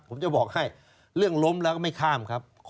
ผมจะบอกให้เรื่องล้มแล้วก็ไม่ข้ามครับ